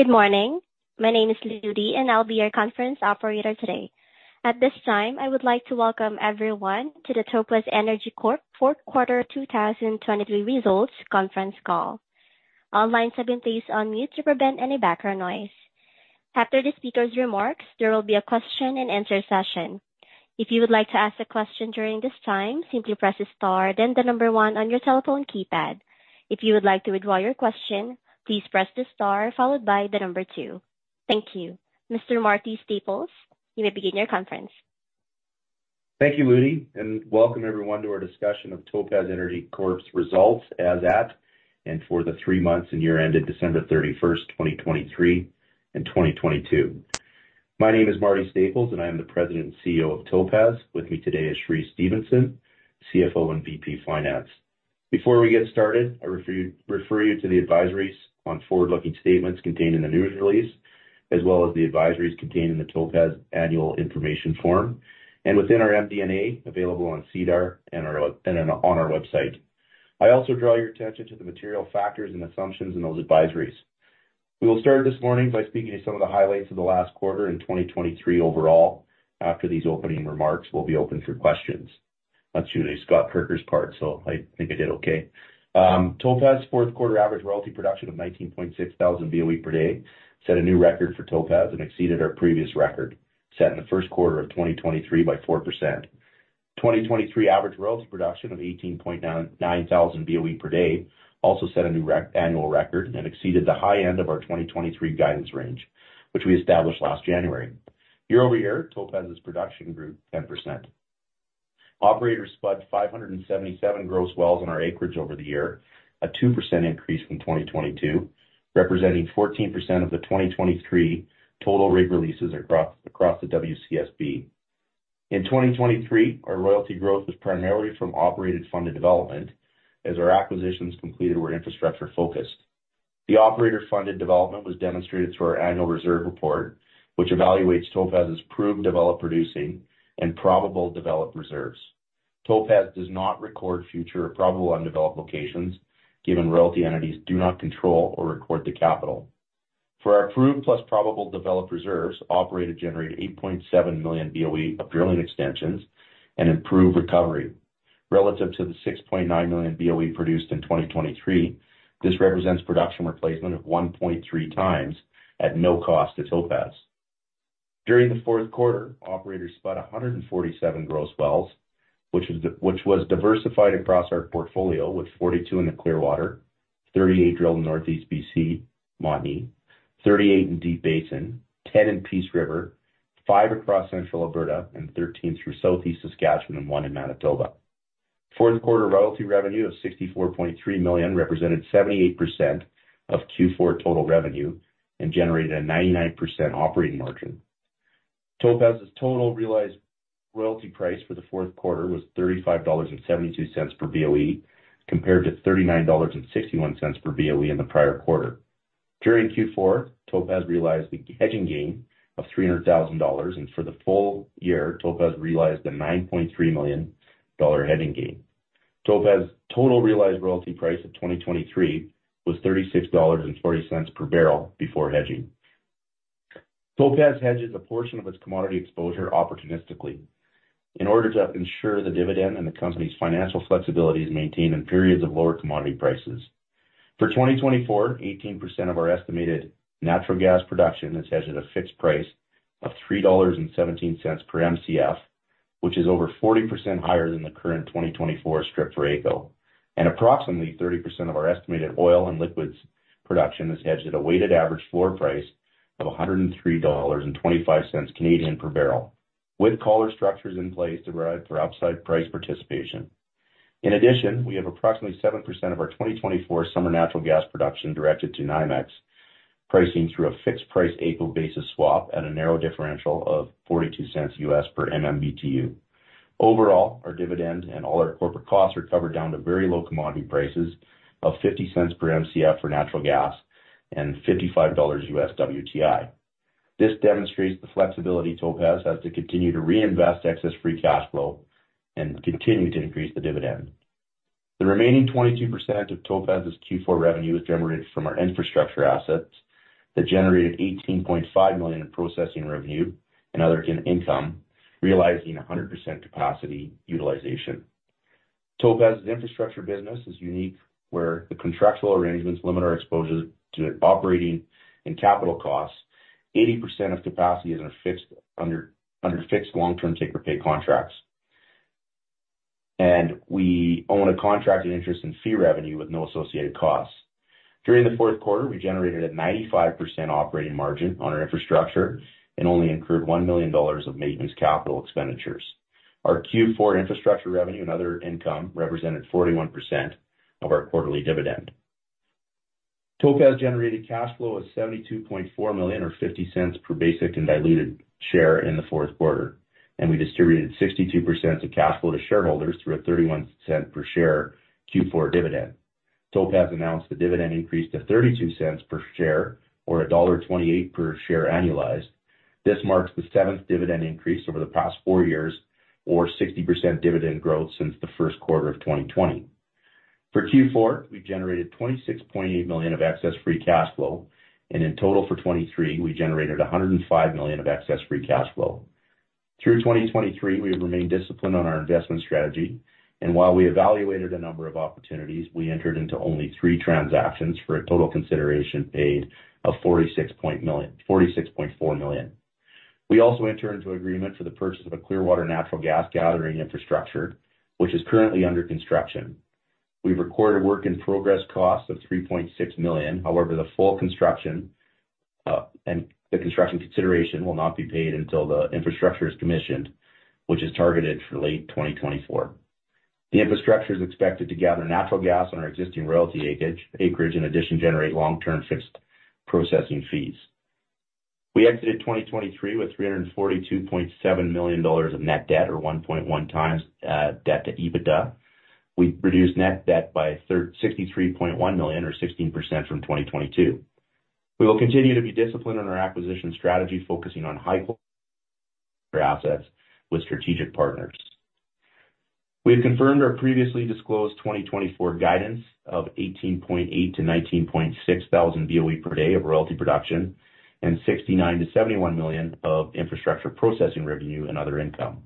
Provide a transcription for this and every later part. Good morning. My name is Ludi and I'll be your conference operator today. At this time, I would like to welcome everyone to the Topaz Energy Corp 4th Quarter 2023 Results Conference Call. Online participants on mute to prevent any background noise. After the speaker's remarks, there will be a question-and-answer session. If you would like to ask a question during this time, simply press the star, then the number one on your telephone keypad. If you would like to withdraw your question, please press the star followed by the number two. Thank you. Mr. Marty Staples, you may begin your conference. Thank you, Ludi, and welcome everyone to our discussion of Topaz Energy Corp's results as at and for the three months and year ended December 31st, 2023, and 2022. My name is Marty Staples, and I am the President and CEO of Topaz. With me today is Cheree Stephenson, CFO and VP Finance. Before we get started, I refer you to the advisories on forward-looking statements contained in the news release, as well as the advisories contained in the Topaz annual information form and within our MD&A available on SEDAR+ and on our website. I also draw your attention to the material factors and assumptions in those advisories. We will start this morning by speaking to some of the highlights of the last quarter in 2023 overall. After these opening remarks, we'll be open for questions. Let's shoot a Scott Perkins part, so I think I did okay. Topaz's fourth quarter average royalty production of 19,600 BOE per day set a new record for Topaz and exceeded our previous record set in the first quarter of 2023 by 4%. 2023 average royalty production of 18,900 BOE per day also set a new annual record and exceeded the high end of our 2023 guidance range, which we established last January. Year-over-year, Topaz's production grew 10%. Operators spud 577 gross wells on our acreage over the year, a 2% increase from 2022, representing 14% of the 2023 total rig releases across the WCSB. In 2023, our royalty growth was primarily from operator-funded development as our acquisitions completed were infrastructure focused. The operator-funded development was demonstrated through our annual reserve report, which evaluates Topaz's proved developed producing and probable developed reserves. Topaz does not record future or probable undeveloped locations given royalty entities do not control or record the capital. For our proved plus probable developed reserves, operators generated 8.7 million BOE of drilling extensions and improved recovery. Relative to the 6.9 million BOE produced in 2023, this represents production replacement of 1.3x at no cost to Topaz. During the fourth quarter, operators spud 147 gross wells, which was diversified across our portfolio, with 42 in the Clearwater, 38 drilled in Northeast BC, Montney, 38 in Deep Basin, 10 in Peace River, five across Central Alberta, and 13 through Southeast Saskatchewan and one in Manitoba. Fourth quarter royalty revenue of 64.3 million represented 78% of Q4 total revenue and generated a 99% operating margin. Topaz's total realized royalty price for the fourth quarter was 35.72 dollars per BOE compared to 39.61 dollars per BOE in the prior quarter. During Q4, Topaz realized a hedging gain of 300,000 dollars, and for the full year, Topaz realized a 9.3 million dollar hedging gain. Topaz's total realized royalty price of 2023 was 36.40 dollars per barrel before hedging. Topaz hedges a portion of its commodity exposure opportunistically in order to ensure the dividend and the company's financial flexibility is maintained in periods of lower commodity prices. For 2024, 18% of our estimated natural gas production is hedged at a fixed price of 3.17 dollars per MCF, which is over 40% higher than the current 2024 strip for AECO, and approximately 30% of our estimated oil and liquids production is hedged at a weighted average floor price of 103.25 Canadian dollars per barrel with collar structures in place to provide for outside price participation. In addition, we have approximately 7% of our 2024 summer natural gas production directed to NYMEX, pricing through a fixed price AECO basis swap at a narrow differential of $0.42 per MMBtu. Overall, our dividend and all our corporate costs are covered down to very low commodity prices of 0.50 per MCF for natural gas and $55 WTI. This demonstrates the flexibility Topaz has to continue to reinvest excess free cash flow and continue to increase the dividend. The remaining 22% of Topaz's Q4 revenue is generated from our infrastructure assets that generated 18.5 million in processing revenue and other income, realizing 100% capacity utilization. Topaz's infrastructure business is unique where the contractual arrangements limit our exposure to operating and capital costs. 80% of capacity is under fixed long-term take-or-pay contracts, and we own a contractual interest and fee revenue with no associated costs. During the fourth quarter, we generated a 95% operating margin on our infrastructure and only incurred 1 million dollars of maintenance capital expenditures. Our Q4 infrastructure revenue and other income represented 41% of our quarterly dividend. Topaz generated cash flow of 72.4 million or 0.50 per basic and diluted share in the fourth quarter, and we distributed 62% of cash flow to shareholders through a 0.31 per share Q4 dividend. Topaz announced the dividend increase to 0.32 per share or dollar 1.28 per share annualized. This marks the seventh dividend increase over the past four years or 60% dividend growth since the first quarter of 2020. For Q4, we generated 26.8 million of excess free cash flow, and in total for 2023, we generated 105 million of excess free cash flow. Through 2023, we have remained disciplined on our investment strategy, and while we evaluated a number of opportunities, we entered into only three transactions for a total consideration paid of 46.4 million. We also entered into agreement for the purchase of a Clearwater natural gas gathering infrastructure, which is currently under construction. We've recorded a work in progress cost of 3.6 million. However, the full construction and the construction consideration will not be paid until the infrastructure is commissioned, which is targeted for late 2024. The infrastructure is expected to gather natural gas on our existing royalty acreage and, in addition, generate long-term fixed processing fees. We exited 2023 with 342.7 million dollars of net debt or 1.1x debt to EBITDA. We reduced net debt by 63.1 million or 16% from 2022. We will continue to be disciplined on our acquisition strategy, focusing on high-quality assets with strategic partners. We have confirmed our previously disclosed 2024 guidance of 18.8-19.6 thousand BOE per day of royalty production and 69 million-71 million of infrastructure processing revenue and other income.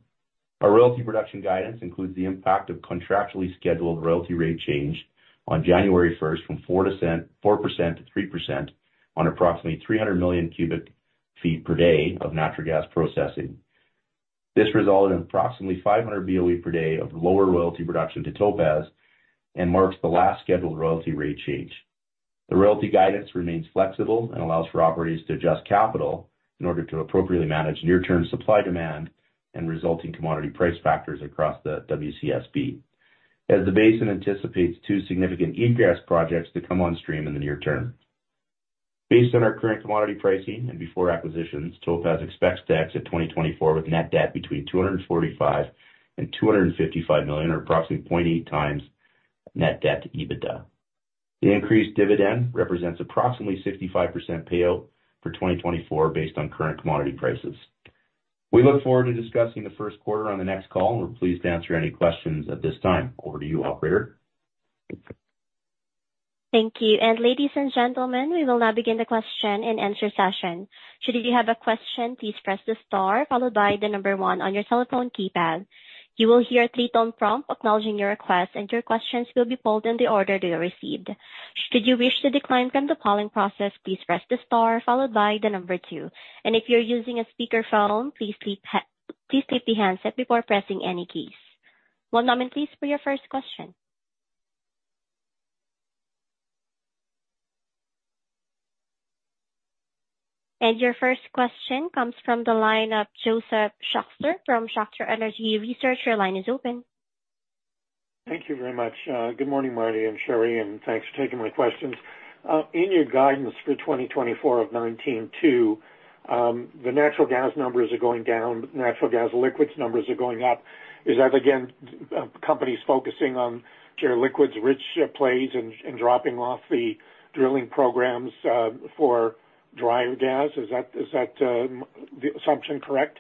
Our royalty production guidance includes the impact of contractually scheduled royalty rate change on January 1st from 4%-3% on approximately 300 million cubic feet per day of natural gas processing. This resulted in approximately 500 BOE per day of lower royalty production to Topaz and marks the last scheduled royalty rate change. The royalty guidance remains flexible and allows for operators to adjust capital in order to appropriately manage near-term supply demand and resulting commodity price factors across the WCSB, as the basin anticipates two significant egress projects to come on stream in the near term. Based on our current commodity pricing and before acquisitions, Topaz expects to exit 2024 with net debt between 245 million and 255 million or approximately 0.8 times net debt to EBITDA. The increased dividend represents approximately 65% payout for 2024 based on current commodity prices. We look forward to discussing the first quarter on the next call, and we're pleased to answer any questions at this time. Over to you, operator. Thank you. Ladies and gentlemen, we will now begin the question-and-answer session. Should you have a question, please press the star followed by the number one on your telephone keypad. You will hear a three-tone prompt acknowledging your request, and your questions will be polled in the order they are received. Should you wish to decline from the polling process, please press the star followed by the number two. And if you're using a speakerphone, please lift the handset before pressing any keys. One moment, please, for your first question. And your first question comes from the line of Josef Schachter from Schachter Energy Research. Your line is open. Thank you very much. Good morning, Marty and Cheree, and thanks for taking my questions. In your guidance for 2024 of February, 19th, the natural gas numbers are going down, natural gas liquids numbers are going up. Is that, again, companies focusing on shale liquids-rich plays and dropping off the drilling programs for dry gas? Is that the assumption, correct?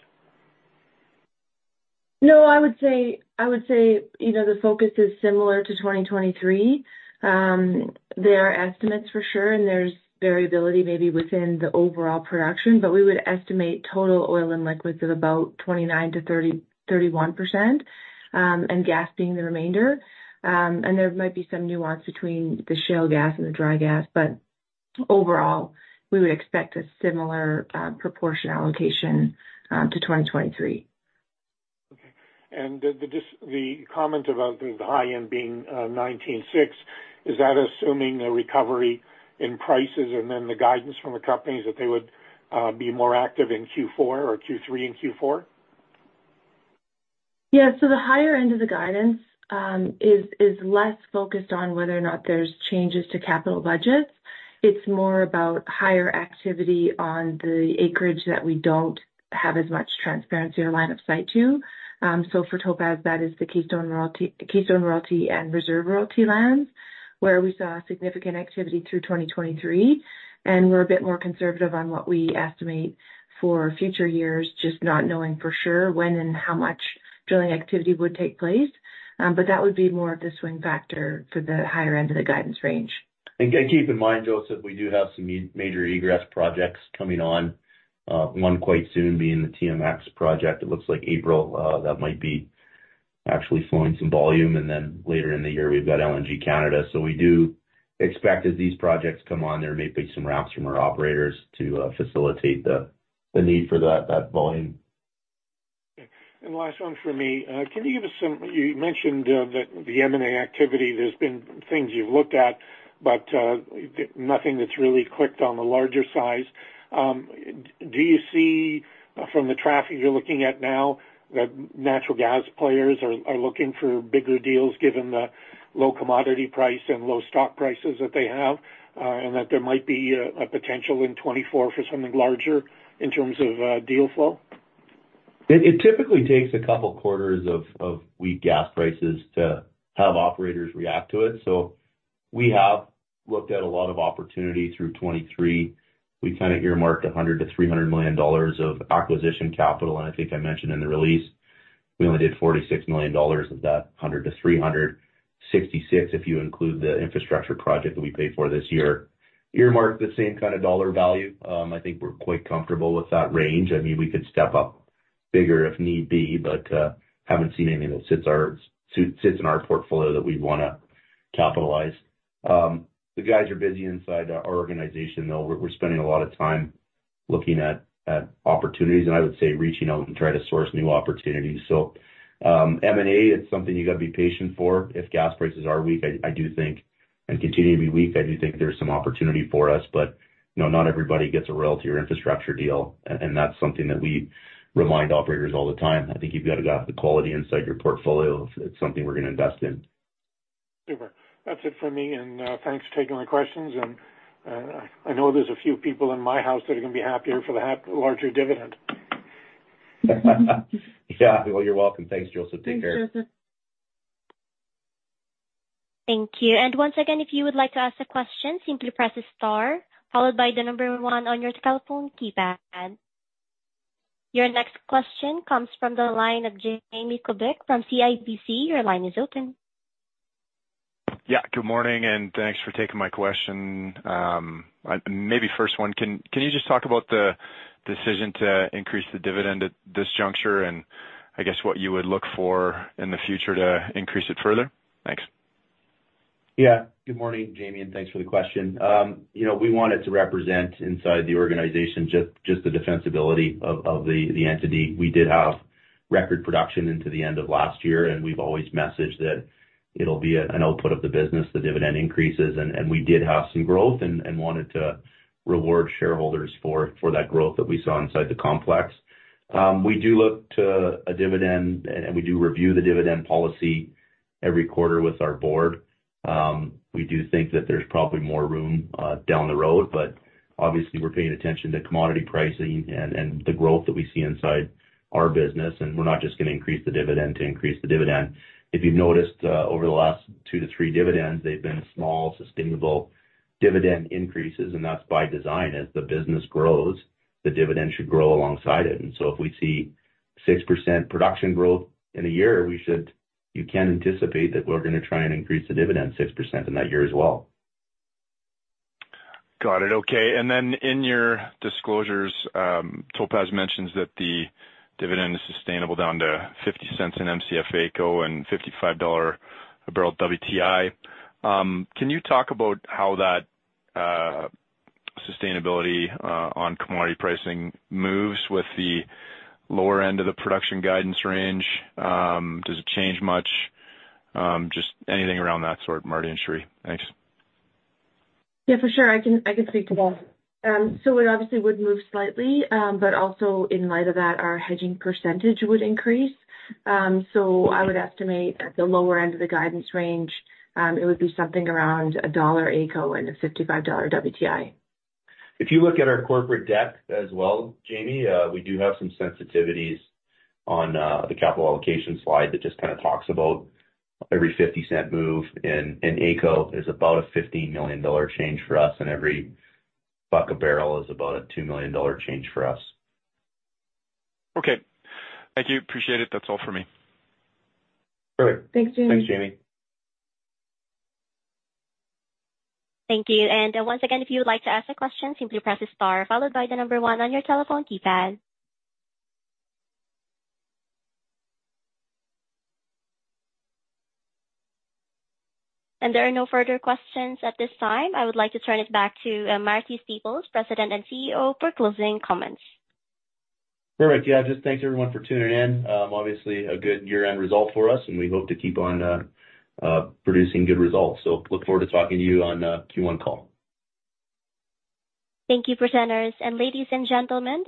No, I would say the focus is similar to 2023. There are estimates for sure, and there's variability maybe within the overall production, but we would estimate total oil and liquids of about 29%-31%, and gas being the remainder. There might be some nuance between the shale gas and the dry gas, but overall, we would expect a similar proportion allocation to 2023. Okay. The comment about the high end being 19.6, is that assuming a recovery in prices and then the guidance from the companies that they would be more active in Q4 or Q3 and Q4? Yeah. So the higher end of the guidance is less focused on whether or not there's changes to capital budgets. It's more about higher activity on the acreage that we don't have as much transparency or line of sight to. So for Topaz, that is the Keystone Royalty and Reserve Royalty lands where we saw significant activity through 2023, and we're a bit more conservative on what we estimate for future years, just not knowing for sure when and how much drilling activity would take place. But that would be more of the swing factor for the higher end of the guidance range. Keep in mind, Josef, we do have some major egress projects coming on, one quite soon being the TMX project. It looks like April that might be actually flowing some volume, and then later in the year, we've got LNG Canada. So we do expect as these projects come on, there may be some wraps from our operators to facilitate the need for that volume. Okay. And last one for me. Can you give us some you mentioned that the M&A activity, there's been things you've looked at, but nothing that's really clicked on the larger size. Do you see, from the traffic you're looking at now, that natural gas players are looking for bigger deals given the low commodity price and low stock prices that they have, and that there might be a potential in 2024 for something larger in terms of deal flow? It typically takes a couple quarters of weak gas prices to have operators react to it. So we have looked at a lot of opportunity through 2023. We kind of earmarked 100 million-300 million dollars of acquisition capital, and I think I mentioned in the release, we only did 46 million dollars of that 100 million-300 million. 66 million if you include the infrastructure project that we paid for this year, earmarked the same kind of dollar value. I think we're quite comfortable with that range. I mean, we could step up bigger if need be, but haven't seen anything that sits in our portfolio that we'd want to capitalize. The guys are busy inside our organization, though. We're spending a lot of time looking at opportunities, and I would say reaching out and trying to source new opportunities. So M&A, it's something you got to be patient for. If gas prices are weak and continue to be weak, I do think there's some opportunity for us. But not everybody gets a royalty or infrastructure deal, and that's something that we remind operators all the time. I think you've got to have the quality inside your portfolio if it's something we're going to invest in. Super. That's it for me, and thanks for taking my questions. I know there's a few people in my house that are going to be happier for the larger dividend. Yeah. Well, you're welcome. Thanks, Josef. Take care. Thanks, Josef. Thank you. Once again, if you would like to ask a question, simply press the star followed by the number one on your telephone keypad. Your next question comes from the line of Jamie Kubik from CIBC. Your line is open. Yeah. Good morning, and thanks for taking my question. Maybe first one, can you just talk about the decision to increase the dividend at this juncture and, I guess, what you would look for in the future to increase it further? Thanks. Yeah. Good morning, Jamie, and thanks for the question. We want it to represent inside the organization just the defensibility of the entity. We did have record production into the end of last year, and we've always messaged that it'll be an output of the business, the dividend increases. And we did have some growth and wanted to reward shareholders for that growth that we saw inside the complex. We do look to a dividend, and we do review the dividend policy every quarter with our board. We do think that there's probably more room down the road, but obviously, we're paying attention to commodity pricing and the growth that we see inside our business, and we're not just going to increase the dividend to increase the dividend. If you've noticed over the last 2 dividends-3 dividends, they've been small, sustainable dividend increases, and that's by design. As the business grows, the dividend should grow alongside it. And so if we see 6% production growth in a year, you can anticipate that we're going to try and increase the dividend 6% in that year as well. Got it. Okay. And then in your disclosures, Topaz mentions that the dividend is sustainable down to 0.50/MCF AECO and $55 a barrel WTI. Can you talk about how that sustainability on commodity pricing moves with the lower end of the production guidance range? Does it change much? Just anything around that sort, Marty and Cheree. Thanks. Yeah, for sure. I can speak to that. So it obviously would move slightly, but also in light of that, our hedging percentage would increase. So I would estimate at the lower end of the guidance range, it would be something around CAD 1 AECO and $55 WTI. If you look at our corporate debt as well, Jamie, we do have some sensitivities on the capital allocation slide that just kind of talks about every 0.50 move in AECO. There's about a 15 million dollar change for us, and every buck a barrel is about a 2 million dollar change for us. Okay. Thank you. Appreciate it. That's all for me. Perfect. Thanks, Jamie. Thanks, Jamie. Thank you. Once again, if you would like to ask a question, simply press the star followed by the number one on your telephone keypad. There are no further questions at this time. I would like to turn it back to Marty Staples, President and CEO, for closing comments. Perfect. Yeah. Just thanks everyone for tuning in. Obviously, a good year-end result for us, and we hope to keep on producing good results. So, look forward to talking to you on Q1 call. Thank you, presenters. Ladies and gentlemen,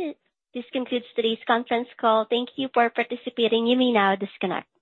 this concludes today's conference call. Thank you for participating. You may now disconnect.